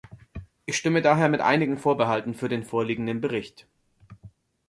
Ich stimme daher mit einigen Vorbehalten für den vorliegenden Bericht.